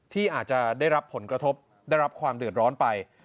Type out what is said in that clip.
ที่อาจจะได้รับผลกระทบได้รับความเดือดร้อนไป